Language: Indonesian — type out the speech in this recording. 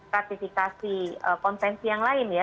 sertifikasi konsensi yang lain